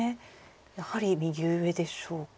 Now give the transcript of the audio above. やはり右上でしょうか。